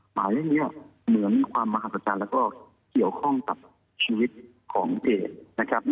หมายเลขนี้เหมือนความมหัศจรรย์แล้วก็เกี่ยวข้องกับชีวิตของเอกนะครับ